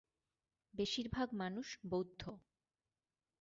বেশীরভাগ মানুষ বৌদ্ধ।